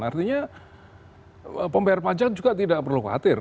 artinya pembayar pajak juga tidak perlu khawatir